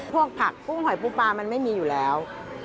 ผักกุ้งหอยปูปลามันไม่มีอยู่แล้ว